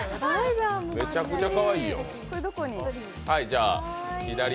めちゃくちゃかわいいよ。